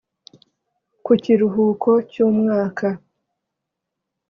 ku kiruhuko cyu mwaka,